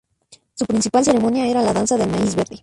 Su principal ceremonia era la danza del Maíz Verde.